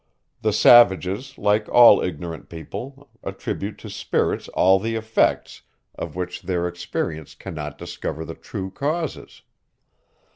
The savages, like all ignorant people, attribute to spirits all the effects, of which their experience cannot discover the true causes.